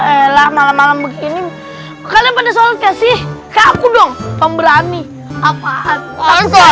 ella malam malam begini kalian pada sholat kasih ke aku dong pemberani apaan langsung